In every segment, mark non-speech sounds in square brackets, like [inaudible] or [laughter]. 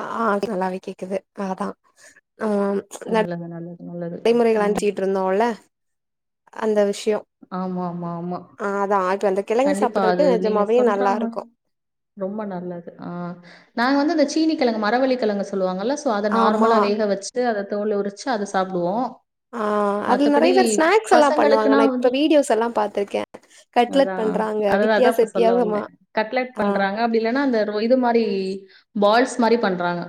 ஆ அது நல்லாவே கேக்குது அதா ஆம் ஸ் நட நல்லது நல்லது நல்லது நடைமுறைகள ம் அனுச்சிட்டு இருந்தோல அந்த விஷ்யொ ஆமா ஆமா ஆமா ஆ அதா ஆகட் அந்த கெழங்கு கண்டிப்பா அது சாப்டுறது நீங்க நெஜமாவே சொல்ற மாரி நல்லாருக்கூ ரொம்ப நல்லது ஆ நாங்க வந்து அந்த சீனி கெழங்கு மரவள்ளி கெழங்கு சொல்லுவாங்கல்ல சோ அத ஆமா நார்மலா வேக வச்சிட்டு அத தோல உரிச்சு அத சாப்டுவோ ஆ அதுல நறைய பேர் ஸ்நாக்ஸ் எல்லாம் பண்ணுவாங்க பசங்களுக்குன்னா நா இப்ப வீடியோஸ் எல்லா பாத்துருக்கே அதா அததுதா அதா இப்ப சொல்ல வந்தே கட்லட் ஆ பண்றாங்க அப்டி இல்லன்னா அந்த இது மாரி பால்ஸ் மாரி பண்றாங்க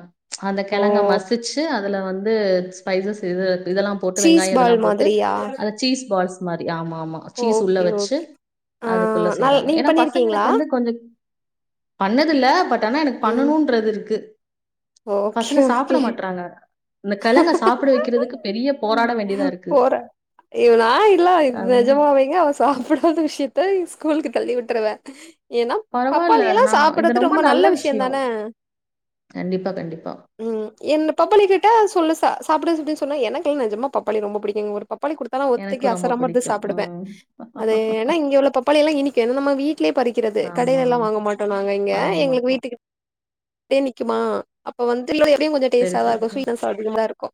அந்த ஓ கெழங்க மசிச்சு அத அதுல வந்து ஸ்பைசஸ் இத இதெல்லா போட்டு சீஸ் வெங்காயொ பால் இதெல்லாம் போட்டு மாதிரியா அத சீஸ் பால்ஸ் மாரி ஆமா ஆமா சீஸ் உள்ள ஓகே வச்சு ஓகே ஆ அதுக்குள்ள நல் செய்றாங்க நீங்க ஏன்னா பண்ணிருக்கீங்களா பசங்களுக்கு வந்து கொஞ்சொக் பண்ணதில்ல பட் ஆனா எனக்கு ம் பண்ணணுன்றது இருக்கு ஓகே பசங்க சாப்ட ஓகே மாட்றாங்க இந்த கெழங்க சாப்ட வக்கிறதுக்கு பெரிய போராட வேண்டியதா இருக்கு இவனா இல்ல இது அதுவும் நெஜமாவேங்க அவச சாப்டாத விஷயத்த ஸ்கூலுக்கு தள்ளி விட்டுருவே ஏன்னா பரவால்ல. பப்பாளி எல்லா நான் இது சாப்பிட்றது ரொம்ப நல்ல விஷயம். விஷயந்தான கண்டிப்பா கண்டிப்பா ம் என்ன பப்பாளிய கேட்டா சொல்லு சா சாப்பிடப்படனு சொன்னா எனக்குல்லாம் நெஜமா பப்பாளி ரொம்ப பிடிக்குங்க ஒரு பப்பாளி கொடுத்தாலு ஒத்தைக்கு எனக்கும் ரொம்ப அசராம திஸ் பிடிக்கும். சாப்டுவேன் ம். அது ஏன்னா இங்க உள்ள பப்பாளி எல்லாம் இனிக்கும் ஏன்னா நம்ம வீட்லே பறிக்கிறது ஆமா. கடைலல்லாம் வாங்க மாட் நாங்க இங்க வாங்க எங்களுக்கு மாட்டோம். வீட்டுக்கு இனிக்குமா அப்ப வந்துல எப்டியும் கொஞ்சோ சரி, டேஸ்டா தான் சரி, இருக்கும் சரி. சுவீட்னஸ் ததிகமா இருக்கும்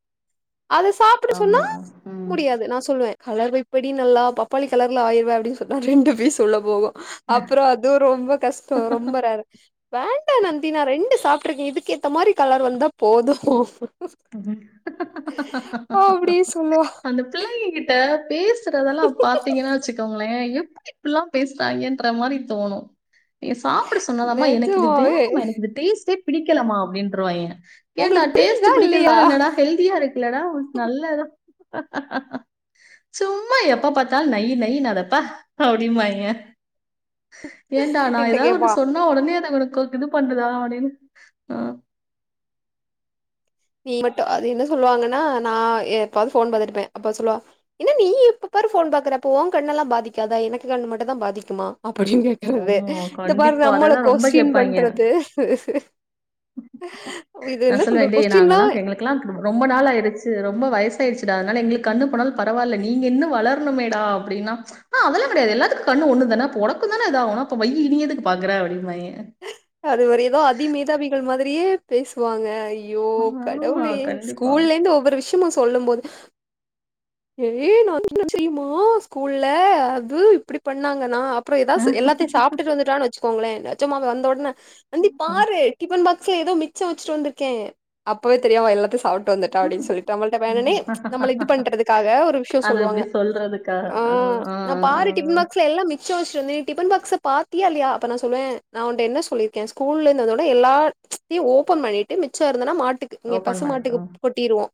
அத சாப்பிட சொன்னா ஆமா. ம். முடியாது நான் சொன் சொல்லுவேன் கலவை படி நல்லா பப்பாளி கலர்ல ஆயிருவ அப்டினு சொன்னா ரெண்டு பீஸ் உள்ள போகும் அப்றோ அதுவும் ரொம்ப கஷ்டம் ரொம்ப ரேர் வேண்டா நந்தி நா ரெண்டு சாப் ட்ருக்கேன் இதுக்கு ஏத்த மாரி கலர் வந்தா போதும் அப்டி சொல்லுவா அந்த பிள்ளைங்ககிட் ட பேசுறதெல்லாம் பாத்தீங்கன்னா வச்சுக்கோங்களேன் எப் இப்பல்லாம் பேசுறாய்ங்க ன்ற மாரி தோணும் ஏ சாப்பிடு சொன்னதாம்மா எனக்கு இது நெஜமாவே வேணாமா எனக்கு இது டேஸ்ட்டே பிடிக்கலமா அப்டின்றுவாய்ங்க உங்களுக்கு ப்ரீதா இல்லியா நா ஹெல்தியா இருக்குலடா உன் நல்லதா சும்மா எப்ப பாத்தாலும் நய் நய்ன்னாத ப்பா அப்டிம்பாய்ங்க ஏன்டா நா என்ட்ட ஏதாவது கேப்பா ஒன்னு சொன் னா உடனே அத அங்க கொழுதின்னு பண்ணுரா அப்டின்னு அ நீ மட்டும் அது என்ன சொல்லுவாங்கன்னா நான் எப்பாது போன் பாத்துட்டுப்பேன் அப்ப சொல்லுவா என்ன நீ இப்ப பாரு போன் பாக்குறப்ப உன் கண்ணெல்லாம் பாதிக்காதா எனக்கு கண்ணு மட்டும் தான் பாதிக்குமா அப்பின்னு கே க்குறது ஆமா இந்த பாரு கண்டிப்பா நம்மள அததான் ரொம்ப கொஸ்டின் கேட்பாங்க பண்றது ஸ் ஸ் இது என்ன சொல்றது கொஸ்டின்னா எனக்கெல்லா ரொம்ப நாள் ஆய்ச்சு ரொம்ப வயசாயிடுச்சிடா அநால எங்களுக்கு கண்ணு போனாலும் பரவால நீங்க என்னும் வளரனும்மேடா அப்டின்னா அ அதெல்லாம் கிடையாது எல்லாத்துக்கும் கண்ணு ஒண்ணு தான போட உனக்கும்தான இதாகும் அப்ப வைய் நீ எதுக்கு பாக்குற அப்டின்னுவாய்ங்க அது ஒரு எதோ அதிமேதாவிகள் மாதிரியே பேசுவாங்க இ ஐயோ ஆமா, கடவுளே கண்டிப்பா. ஸ்கூல்ல இந்து ஒவ்வொரு விஷயமும் சொல்லும் போது ஏய் நா என்னா தெரியுமா ஸ்கூல்ல அது இப்டி பண்ணாங்க நா அப் அப்றோ அ, ஏதாசு எல்லாத்தையு சாப்ட்டு வந்துட்டானு வச்சுக்கோங்களே நெஜமாவே வந்த உடனே வந்து ம், பாரு டிஃபன் பாக்ஸ்ல ஏதோ மிச்சம் வச்சுட்டு வந்திருக்கே அப்பவே தெரியு அவ எல்லாத்தையு சாப் ட்டு வந்துட்டா அப்டின்னு ம். சொல்லிட்டு நம்மட்ட வேணுனே நம்மள இது பண்றது க்காக ஒரு விஷயோ அது சொல்லுவாங்க இப்டி சொல்றதுக்கா? ஆ அ, அ, நா அ, பாரு டிபன் அ. பாக்ஸ்ல எல்லா மிச்ச வச்சிட்டு வந்து டிபன் பாக்ஸ பாத்தியா இல்லையா அப்ப நா சொல்லுவே நான் உன்ட்ட என்ன சொல்லிரு க்கே ஸ்கூல்ல இருந்து வந்த உனே எல்லாத்தையு ஓபன் பண்ணிட்டு மிச்சோ இருந்தனா மாட்டுக் கு இங்க ஓப்பன் பசுமாட்டுக்கு பண்ணிட்டோம். கொட்டிருவோ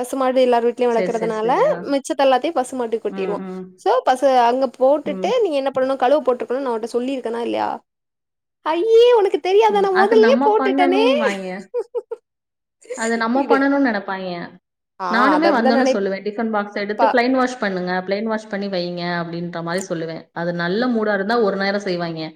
பசுமாடு எல்லார் வீட்லயு சரி, சரி, இருகிறதுனால சரி. ஆ. மிச்சத்தல்லாத்தையு பசுமாட்டுக்கு ம், கொட்டிர்வோ ம், சோ பசு அங்க ம், போட்டுட்டு நீ என்ன போன்னு கழுவ போட்ருக்கணுன் நா உன்ட்ட சொல்லிருக்கனா இல்லையா அய்யியோ உனக்கு தெரியாதா ம். நா அது மொதலே நம்ம போட்டுட்டனே பண்ணணும்ன்னுவாய்ங்க. அது நம்ம இது பண்ணணுனு நெனப்பாய்ங்க ஆ அது நானுமே அப்டிதா வந்தோன்னே நெனைப்பா சொல்லுவே டிஃபன் பாக்ஸ் எடுத்து பிளைன் வாஷ் பண்ணுங்க பிளைன் வாஷ் பண்ணி வைங்க அப்டின்ற மாரி சொல்லுவேன் அது நல்ல மூடா இருந்தா ஒரு நேரோ செய்வாய்ங்க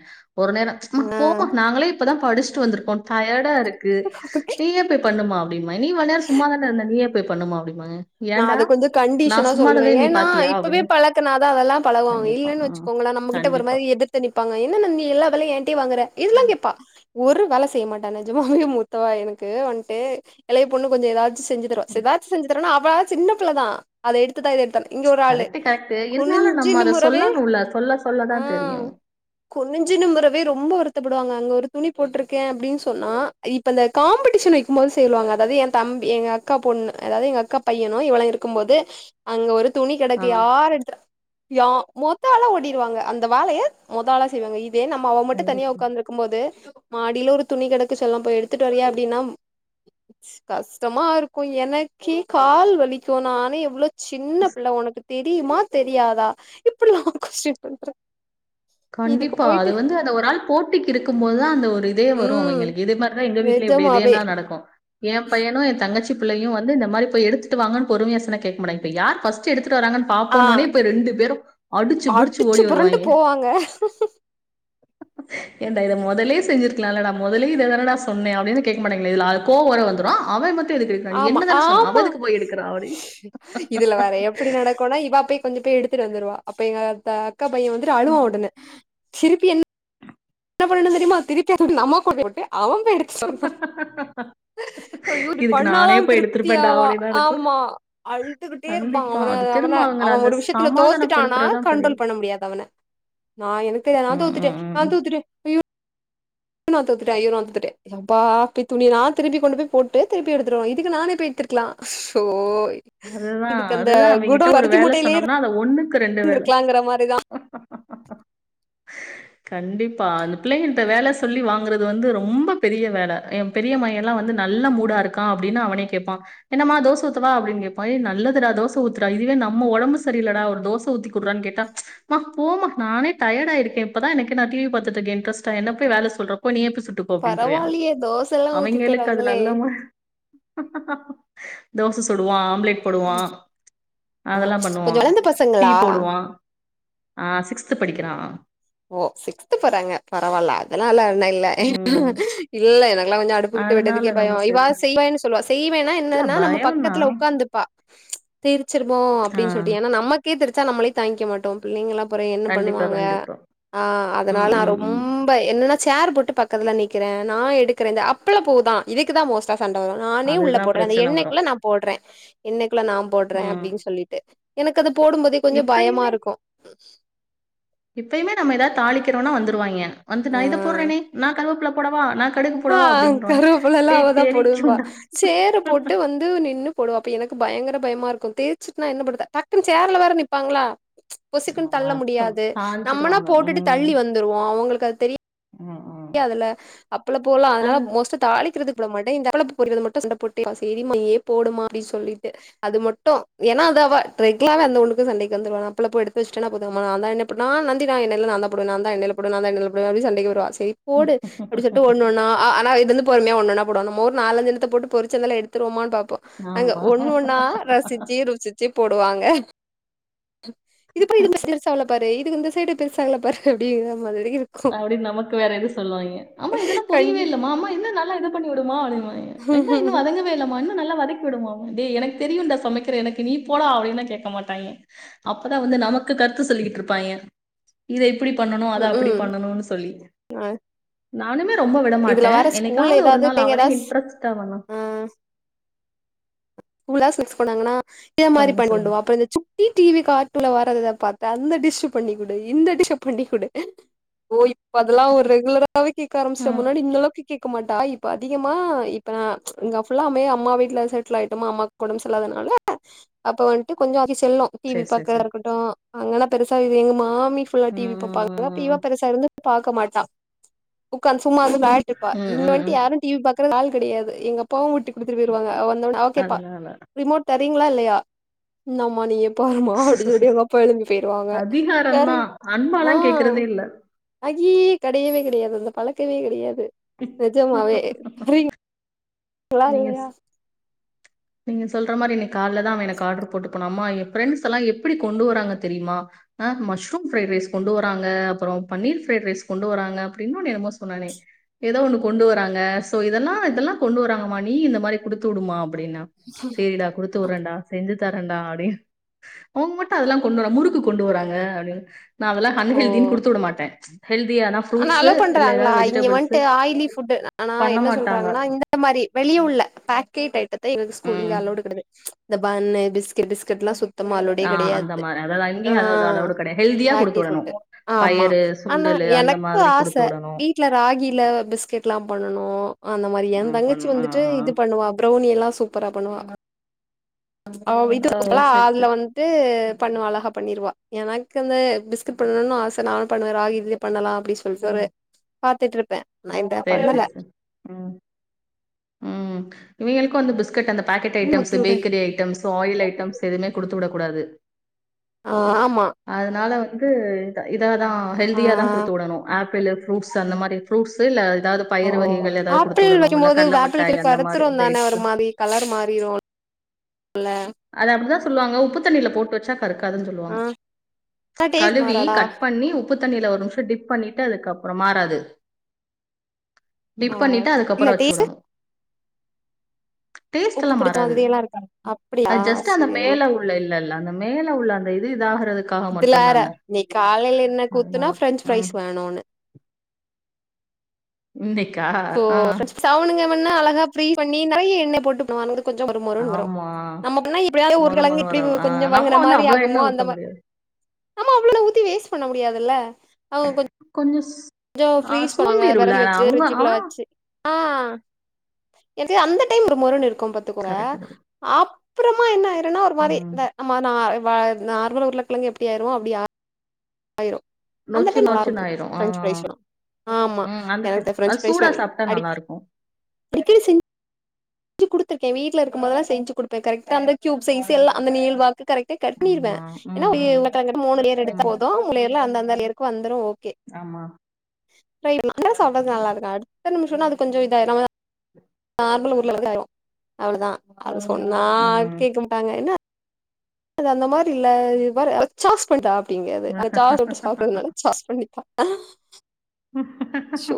ஒரு நேரோ அம்மா ஆ போமா நாங்களே இப்பதான் படிச்சுட்டு வந்திருக்கோம் டயர்டா இருக்கு ஓகே நீங்க பேய்பண்ணுமா அப்டினுவாய்ங்க நீ இவ்ள நேரம் சும்மாதான இருந்த நீயே போய் பண்ணுமா அப்டின்னுவாங்க நா அத கொஞ்சோ கண்டிஷ்ஷனா சொல்லுவேன் ஏன்னா பாத்தியா இப்பவே அப்டின்னு பழக்குனாதான் அதெல்லாம் பழகுவாங்க கண்டிப்பா இல்லன்னு வச்சுக் ம் கோங்கள நம்மகிட்ட ஒரு கண்டிப்பா மாரி எதிர்த்து நிப்பாங்க என்ன ந நீ எல்லா வேலையு என்ட்டையே வாங்குற இதெல்லா கேப்பா ஒரு வேல செய்ய மாட்டா நெஜமாவே மூத்தவா எனக்கு வன்ட்டு எளைய பொண்ணு கொஞ்சோ எதாது வெச்சு செஞ்சு [unintelligible] செதாச்சு செஞ்சுதரனா அவ சின்ன பிள்ள தா அத எடுத்தா இத எடுத்தா இங்க ஒரு ஆளு கரெக்ட்டு கரெக்ட்டு இருந்தாலு குனிஞ்சு நம்ம அத நிமுராவே சொல்லணுல்ல சொல்ல சொல்லதா ஆ தெரியு குனிஞ்சு நிமுரவே ரொம்ப வருத்தப்படுவாங்க அங்க ஒரு துணி போட்ருக்கே அப்டின்னு சொன்னா இப் இப்ப இந்த காம்ப்பிடிஷன் வெக்கும் போது செல்லுவாங்க அதாவது எ தம்பி எங்க அக்கா பொண்ணு அதாவது எங்க அக்கா பையனு இவளு இருக்கும்போது அங்க ஒரு துணி ஆ கெடக்கு யார் எடுத்துடா யா மொத ஆள ஓடிருவாங்க அந்த வேலய மொத ஆள செய்வாங்க இதே நம்ம அவ மட்டு தனியா கண்டிப்பா ஒக்காந்துருக் கும்போது மாடில ஒரு துணி கெடக்கு செல்லோ போய் எடுத்துட்டு வரியா அப்டின்னா கஷ்டமா இருக்கு எனக்கே கால் வலிக்கு நானே எவ்வளோ சின்ன பிள்ள ஒனக்கு தெரியுமா தெரியாதா இப்படிலா கொஸ்டின் பண்ற இதுக்கு கண்டிப்பா அது போயிட்டு வந்து அத ஒரு ஆள் போட்டிக்கு இருக்கும் போது தா அந்த ஒரு இதே வரு ம் அவிங்களுக்கு இது மா அனா எங்க வீட்லே இப்டே இதே நிஜமாவே தா நடக்கு எ பையனு எ தங்கச்சி பிள்ளயு வந்து இந்த மாரி போய் எடுத்துட்டு வாங்கன்னு பொறுமையா சொன்னா கேக்க மாட்டாங்க இப்ப யார் ஃபஸ்ட் எடுத்துட்டு வராங்கனு ஆ பாப்போனோனு போய் ரெண்டு பேரு அடுச்சு புடிச்சு ஓடி வருவாயிங்க வாங்க ஏன்டா இத மொதலே செஞ்சிருக்கலாலடா மொதலே இத தானடா சொன்னே அப்டினா கேக்க மாட்டாங்க இதுல அ கோவோ வேற வந்துரு அவே ம ட்டு எதுக்கு எடுக்கறா நீ ஆமா என்ன தான சொன்ன அவ ஆமா எதுக்கு போய் எடுக்கறா அப்டீன்னு இதுல வேற எப்டி நடக்குனா இவா போய் கொஞ்சோ பேய் எடுத்துட்டு வந்துருவா அப்ப எங்க தா அக்கா பைய வந்துட்டு அழுவா ம். உடனே திருப்பி என் என்ன பண்ணணு தெரியுமா திருப்பி அத [unintelligible] போட்டு அவே போய் எடுத் ஐயோ இப்டி "இதுக்கு பண்ணாதா நானே போய் எடுத்திருப்பேன்டா" திருப்தியாவா அப்டின்னு தான் இருக்கும். ஆமா அழுதுக்கிட்டே இருப்பா கண்டிப்பா. அவன அது அவன திரும்ப அவங்கள அவே அந்த ஒரு விஷயத்துல தோத்துட்டானா சமாதானப்படுத்துறது தான் பெரிய கண்ட்ரோல் பண்ண முடியாது அவன நா எனக்கு தெரியாது நா ம், ம், தோத்துட்டே ம். நா ம். தோத்துட்டே ஐயோ ஐயோ நா தோத்துட்டே ஐயோ நா தோத்துட்டே எப்பா போய் துணிலா திருப்பி கொண்டு போய் போட்டு திருப்பி எடுத்துடுவ இதுக்கு நானே போயி எடுத்துருக்கலா அஸ்சோ அதுதா அதுதா அவங்கிட்ட ஒரு வேல மூட்டையிலயே சொன்னம்னா அத ஒன்னுக்கு ரெண்டு வேல இருந்திருக்கலாங்கிற மாரிதா கண்டிப்பா அந்த பிள்ளைங்கள்ட்ட வேல சொல்லி வாங்குறது வந்து ரொம்ப பெரிய வேல எ பெரிய மையலா வந்து நல்ல மூடாருக்கா அப்படின்னா அவனே கேப்பா என்னம்மா தோச ஊத்தவா அப்டின்னு கேப் பைய நல்லதுடா தோச ஊத்துடா இதுவே நம்ம ஒடம்பு சரியில்லடா ஒரு தோச ஊத்தி குடுறான்னு கேட்டா அம்மா போமா நானே டயேடா இருக்கே இப்ப தா எனக்கு நா டி வி பாத்துட்ருக்கே இன்ட்ரெஸ்டா என்ன போய் வேல சொல்ற போ நீயே போய் சுட்டுக் கோ அப்டின்ருவியா பரவாயில்லயே தோசல்லா ஊத்தி அவிங்களுக்கு அது தராங்களே நல்ல மா தோச சுடுவா போடுவா ஆ அதலா பண்ணுவா கொஞ்சோ வளந்த டீ பசங்களா போடுவா ஆ சிக்ஸ்த் படிக்கிறா ஓ சிக்ஸ்த் போறாங்க பரவால்ல அதனால ஒன்னு இல்ல ம். இல்ல எனக்குலா கொஞ்சோ அடுப்புக்கிட்ட அதனால விட்டதுக்கே நம்ம பயோ இவா சேசம் செய்வேன்னு சொல்லுவா செய்வேன்னா இல்ல என்னனா நம்ம பயம்னா பக்கத்துல உக்காந்துப்பா தொறிச்சிருமோ ஆ அப்டின்னு சொல்ட்டு ஏன்னா நமக் கே திருச்சா நம்மளே தாங்கிக்க மாட்டோ பிள்ளிங்களா அப்பறோ என்ன கண்டிப்பா, பண்ணுவாங்க கண்டிப்பா. ஆ அதனால ம், நா ம், ரொம் ம். ம்ப என்னன்னா சேர் போட்டு பக்கத்துல நிக்கற நா எடுக்கற இந்த அப்பளபூதா இதுக்கு தா மோஸ்டா சண்ட வரு நானே உள்ள அதுதான் போடுற அந்த பிரச்சனை வரும். எண்ணெய்க்குள்ள நா போடுறே இன்னிக்குள்ள நா போடுற ம். அப்டின்னு சொல்லிட்டு எனக்கு அது போடும் போதே கொஞ்சோ பயமா இப்பயுமே இருக்கு இப்பயுமே நம்ம எதாது தாளிக்கிறோனா வந்துருவாயிங்க வந்து நா ஆ. இத போடுறேனே நா கருவபுள்ள போடவா நா கடுகு ஆ போடவா? அப்படின்றுவாய்ங்க. கருவேப்புலல்லா டேய் அவதா போடும்பா தெரிக்கும்டா. சேரு போட்டு வந் து நின்னு போடுவா அப்ப எனக்கு பயங்கர பயமாருக்கு தெரிச்சுட்டுனா என்ன பண்றது டக்குனு சேர்ல வேற நிப்பாங்களா பொசுக்குனு தள்ள ஆமா. முடியாது நம்மனா சாஞ்சிருவாங்க. போட்டுட்டு ம். தள்ளி வந்துருவோ, அவங்களுக்கு அது தெரி ம் ம் யாதுல அப்பளப்பூவெல்லா அதனால அது மோஸ்டா தாளிக்கிறதுக்கு விட மாட்டே இந்த அப்பளப்பூ பொரிக்கிறது மட்டு சண்ட போட்டேருப்பா சேரிம்மா நீயே போடுமா அப்டி சொல்லிட்டு அது மட்டு ஏனா அத அவ ரெகுலரா அந்த ஒண்ணுக்கு சண்டைக்கு வந்துருவா நா அப்பளப்பூ எடுத்து வச்சுடனா போது அம்மா நான்தா எண்ணெ இப்ப நா நந்தி நா எண்ணெயில நான்தா போடுவோ நான்தா எண்ணெயில போடுவே அப்டி சண்டைக்கு வருவா சேரி போடு அப்டி சொல் ட்டு ஒண்ணு ஒண்ணா ஆ ஆனா இது வந்து பொறுமையா போடுவா நம்ம ஒரு நாலஞ்சு அன்னத போட்டு பொரிச்சு அந்தள எடுத்துருவோமான்னு பாப்போ அங்க ஒண்ணு ஆமா. ஒன்னா ரசிச்சு ருசிச்சு போடுவாங்க இதுப்பாரு இது பெருசாவல பாரு இது இந்த சைடு பெருசாகல பாரு அப்படிங்கிற மாரி அப்டின்னு நமக்கு வேற இது சொல்லுவாங்க அம்மா இதெல்லா பொரியவே கண்டி இல்லமா அம்மா இன்னு நல்லா இத பண்ணி வுடுமா அப்டின்னுவாங்க வெங்காயோ இன்னு வதங்கவேயில்லமா இன்னு நல்லா வதக்கி விடுமா, டேய் எனக்கு தெரியும்டா சமைக்கிற எனக்கு நீ போடா அப்படின்னு கேட்க மாட்டாங்கே அப்பதா வந்து நமக்கு கருத்து சொல்லிக்கிட்டு இருப்பாய்ங்க இத இப்டி பண்ணணு அத ம் அப்டி ம் பண்ணணுனு சொல்லி நானுமே ரொம்ப விடமாட்ட, இதுல வேற ஸ்கூல்ல என்னைக்காவது ஒரு ஏதாவது நாள் பிள்ளைங்க அவனே ஏதாவது இன்ட்ரெஸ்ட் அவனா உளாசில்க்ஸ் போனாங்கனா இதே மாரி சொல்லுங்க பண்ணி கொண்டு சொல்லுங்க வா அப்பறோ இந்த சுக் சுட்டி டிவி கார்டுன்ல வர்றத பாத்து அந்த டிஷ் பண்ணிகுடு இந்த டிஷ்ஷ பண்ணிகுடு ஓ இப்ப அதெல்லா ஒரு ரெகுலராவே கேட்க ஆரம்பிச்சுட்டா ம் முன்னாடி இந்த அளவுக்கு கேக்க மாட்டா இப்ப அதிகமா இப்ப நா இங்க ஃபுல்லாமே அம்மா வீட்ல செட்டில் ஆய் ட்டோமா அம்மாவுக்கு ஒடம்பு சரியில்லாதனால அப்ப வந்துட்டு கொஞ்சோ அது செல்லம் டிவி சரி சரி சரி பாக்குறதாருக்கட்டு அங்கனா பெருசா இது எங்க மாமி ஃபுல்லா டிவி ம் பாப்பாங்க அப்ப இவ ம், பெருசா இருந்து பாக்க மாட்டா உக்காந்து சும்மா வந்து விளயாடிட்டு இருப்பா ம், ம், இங்க ம், வந்துட்டு ம். யாரு டிவி பாக்குறது ஆள் கடையாது எங்க அப்பாவு வுட்டு குடுத்துட்டு போயிருவாங்க அவ வந்தோன அதனால ரிமோட் தரீங்களா இல்லையா இந்தாம்மா நீயே பாரும்மா அப்டி சொல்லி எங்கப்பா எழும்பி போயிருவாங்க அதிகாரம் வேற, தான் ஆ அன்பாலாம் கேக்குறதே இல்ல அய்யய்யே கடையவே கடையாது அந்த பழக்கவே கடையாது நிஜமாவே ஃப்ரிங் இப்பலா நீங்க இல்லையா நீங்க சொல்ற மாரி இன்னக்கி கால்லதா அவ எனக்கு ஆர்டர் போட்டு போனா அம்மா எ பிரெண்ட்ஸ் எல்லா எப்டி கொண்டு வர்றாங்க தெரிமா ஆ, மஷ்ரூம் ஃபிரைடு ரைஸ் கொண்டு வராங்க அப்பறோ பனீர் ஃப்ரைடு ரைஸ் கொண்டு வராங்க அப்டி இன்னோன்னு என்னமோ சொன்னானே ஏதோ ஒண்ணு கொண்டு வராங்க சோ இதெல்லா இதெல்லா கொண்டு வராங்கமா நீயு இந்த மாரி குடுத்து வுடுமா அப்டின்னா சேரிடா குடுத்து வுடுறன்டா செஞ்சு தரண்டா அப்டின்னு அவங்க மட்டு அதெல்லா கொண்டு வராங்க முறுக்கு கொண்டுவறாங்க அப்டின்னு நா அதெல்லா ஓ அன்ஹெல்தினு குடுத்து விடமாட்டே ஹெல்தியாதா ஆனா அலோ பண்றாங்களா இங்க வந்துட்டு ஆயிலி ஃபுட் ஆனா பண்ண என்ன மாட்டாங்க. சொல்றாங்கன்னா இந்த இந்த மாதிரி வெளியே உள்ள பாக்கேட் ஐட்டத்த எங்களுக் ஸ்கூல் இங்க ம். அலோடு கடையாது இந்த பன்னு பிஸ்கட் பிஸ்கட்டுலா சுத் ஆ அந்த மாரி அதாது இங்கயு அத அலோடு கிடையாது ஹெல்தியா குடுத்து பாக்கெட் விடணு ஃபுட்டு ஆமா பயிரு சுண்டலு அந்த மாதிரி குடுத்துவுடணு வீட்டல ராகில பிஸ்கெட்லா பண்ணனு அந்த மாரி எ ஆ பண் தங்கச்சி ஆ வந்துட்டு ஆ இது பண்ணுவா ப்ரௌவ்னி எல்லா சூப்பரா பண்ணுவா அவ ஆ வீட்டுக்கு ஓ வரப்பல்லா செரி அதுல செரி வந் டு பண்ணுவா அழகா பண்ணீர்வா எனக்கந்து பிஸ்கட் பண்ணுன் ஆச நானு பண்ணுவே ராகி இத்லியே பண்ணலா அப்படி சொல்ட் ஒரு பாத்துட்ருப்பே தேரி செக் சே உம் உம் இவிங்களுக்கு வந்து பிஸ் க்கட் அந்த பாக்கெட் ஊத்தி ஐட்டம்ஸு விடு பேக்கரி ஐட்டம்ஸ் ஆயில் ஐட்டம்ஸ் எதுவுமே குடுத்து விடக் கூடாது ஆ ஆமா அதனால வந்து ஏய் கொண்ட பயலே இதா இத தா ஆ ஹெல்தியா தா குடுத்து வுடணு ஆப்பிள்ளு ஃப்ரூட்ஸ் அந்த மாரி ஃப்ரூட்ஸ் ஓ ஆப்பிள் வைக்கும் இல்ல மோது கடல வாப்பிள்க்கு மிட்டாய் அந்த மாரி கருத்துருன் தானே ஒரு டேட்ஸு மான் வி கலர் மாறிரு ஒல் இல அது அப்டிதா சொல்லுவாங்க உப்பு தண்ணில போட்டு வச்சா கருக்காதுன் ஜொல்லுவாங்க ஆ ஆனா டேஸ்ட் கழுவி மாறாதா கட் பண்ணி உப் உப்பு தண்ணில ஒரு நிம்ஷோ டிப் பண்ணிட்டு அதுக்கப்ற மாறாது ஆ டிப் பண்ணிட்டு இல்ல அதுக்கப்பறோ வச் டேஸ்ட் வுடணு உப்பு பிடித்தமாதிரி எல்லா இருக்காது அப் அ ஜஸ்ட்டு அந்த மேல உள்ள இல்லல்ல அந்த மேல உள்ளன் டெய்லி இதாகறதுக்காக இதுல வேற மட்டுன்தான இன்னைக் அதனால உம் அணோனு இன்தெக்கா ஆ சவுனுங்கம்மண்ணா அழகா ப்ரீ பண்ணி பைய்யெ எண்ணெ போட்டுக்ணு அந்து கொஞ்சு மொரு மொருன் வரு ஆமா நமக்குன்னா எப்டியா எ ஒரு முற முற கெழங்கு இப்டி ஊ வரும் ஆ கொஞ்சம் நம்ம வங்குன வந்து மாரி அவ்வளோ ஆகுமோ எண்ணெய் ஊத்த அந்த மா முடியாது ஆமா அவ்ளல ஊத்தி வேஸ்ட் பண்ண முடியாதுல்ல அவு கொன் கொஞ்சுஸ் ஜோ ஃப்ரீஸ் பன்வாங்க வெர வெட்டி வெச்ட்டு ஃப்ரிஜ்ஜுக்குள்ள அவனும் வச்சி ஆ என்து அந்த டைம் ரோ மொருன்னு இருக்கும் பாத்துக்கொர கரெக்ட் கரெக்ட் ஆப்றமா என்ன ஆய்ருன்னா ஒரு மாரி ம் த அமா நாய் வாழத் நார்மல் உர்ளக்லங்கு எப்படி ஆய்ரு அப்டி ஆ ஆய்ரு அந்த நொச்சு டைம் நொச்சுன்னு நல்லார்க்குது ஆயிரும் ஆ ஃப்ரெஞ்ச் ப்ரைஸிரு ஆமா ம் அந்த எனக் த ஃப்ரென்ச் அது ப்ரைஸ் சூடா வய் சாப்பிட்டா அடிக்க நல்லா இருக்கும் அடிக்கடி சென் செஞ்சி குடுத்துர்க்கே வீட்ல இருக்கும் போதல்லா செஞ்சி குடுப்பே கரக்டடா அந்த கியூப்ஸ ஈஸி எல்லா அந்த நீல் வாக் கரட்டா கட்னீர்வே ஆமா ம் ஏனா ம் [unintelligible] மூணு லேயர் எடுத்து ம் போது [unintelligible] அந்தந்த லேயர்க்கு வந்துரு ஓகே ஆமா ப்ரைட்னா அன்ற சாப்டாது நல்லா இருக்கு அடு த்த நிமிஷோன்னா அது கொஞ்சு இதாய்ரு நம்மதா நார்மல் உர்ளலங்கு ஆய்ரு அவ்ளதா அது சொன்னா ம் கேக்க முட்டாங்க என்ன அது அந்த மாரி இல்ல இது பாரு அ பச்சாஸ் பண் டா அப்டிங்கது இங்க ச்சா தொட்டு சாப்றதுனால ச்சாஸ் பண்ணி ஹ ஆ ஷோ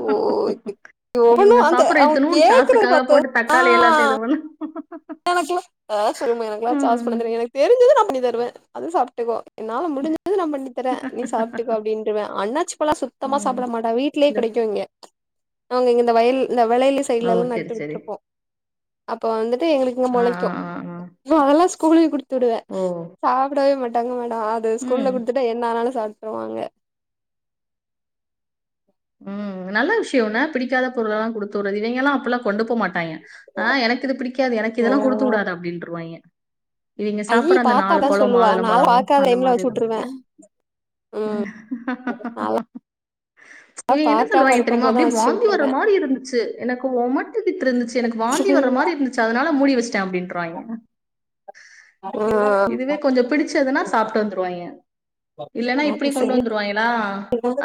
கே எ ஒப்பண்ணு இவங்க அந்தே சாப்பிடுற அவ்ங் இத்தனும் கேக்குற சாஸுக்காக பாத்து போட்டு ஆ தக்காளி எல்லாத்தையும் இது பண்ணு அக்லா ஆ சொல்லும்மு எனக்லா ச்சாஸ் ம். பண்ணன் தெரியாத் எனக் தெரிஞ்சது நா பண்ணி தருவே அது சாட்டுக்கோ என்னால முடிஞ்சது நா பண்ணித்தரே நீ சாப்ட்டுக்கோ அப்படின்றுவே அண்ணாச்சு ப்பல்லா சுத்தமா ம். சாப்ட மாட்டா வீட்லே இந்த கிடைக்கு இங்கே அவங் இந்த வய்ல் இந்த வெளைய்லி ஓ சைட்லல் சரி நட்டு சரி விட்ருப்போ அப்ப வந்துட்டு எங்ளுக்கு இங்க ஆ ஆ மொளைக்யு ஆ ஆ. ப அதல்லா ஸ்கூலே குடுத்துடுவே ஓ சாப்டவே மாட்டாங்க மேடோ அது ஸ்கூல்ல ம் குடுத்துட்டா என்ன ஆனாலு சாப்ட்டுருவாங்க உம் நல்ல விஷ்யோன பிடிக்காத பொருளல்லா குடுத்துறது இவெங்கல்லா அப்பல்லா கொண்டு போமாட்டாய்ய ஆ எனக்கு இது பிடிக்காது எனக்கு இதெல்லா குடுத்து ஓ வுடாத அப்டின்ருவாங்க இவெங்க ஐயி சாப்புட்ற அந்த பாத்தா நாலு அதா பழோ சொல்லுவா மாதுள நாலா பழோ பாக்காத அந்த டைம்ல வச்சு மாரிதா வுட்டுருவே இவெங்க என்ன பாக்காம சொல்லுவாங்க இருக்கும் தெரியுமா போதுதா அப்டியே வச்சு வாந்தி வர்ற வுட்டுருவே மாரி இருந்துச்சு எனக்கு ஒமட்டிக்கிட்டு இருந்துச்சு எனக்கு வாந்தி வர்ற மாரி இருந்துச் சு அதுனால முடி வச்சுட்டே அப்டின்றாங்க இழுவ இதுவே கொஞ்ச பிடிச்சதுனா சாப்ட்டு வந்துருவாங்க இல்லேன்னா ஆ இப்டி அது கொண்டு சரி வந்துருவாங்களா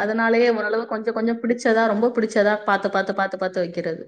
அத துனாலயே ஓரளவு கொஞ்ச கொஞ்சம் புடிச்சதா ரொம்ப புடிச்சதா பாத்து பாத்து பாத்து பாத்து வக்கிறது